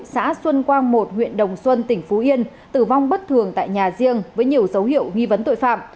xã xuân quang một huyện đồng xuân tỉnh phú yên tử vong bất thường tại nhà riêng với nhiều dấu hiệu nghi vấn tội phạm